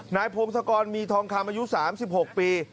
นายพงศกรมีทองคามอายุ๓๖ปี